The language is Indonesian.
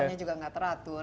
makannya juga tidak teratur